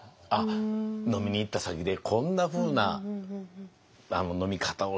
飲みに行った先でこんなふうな飲み方をしてとか。